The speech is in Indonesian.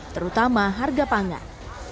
terutama harga pangan